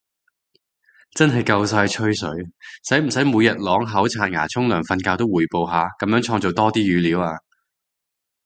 真係夠晒吹水，使唔使每日啷口刷牙沖涼瞓覺都滙報下，噉樣創造多啲語料